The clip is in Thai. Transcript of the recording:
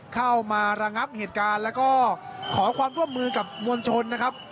เข้ามาระงับเหตุการณ์แล้วก็ขอความร่วมมือกับมวลชนนะครับ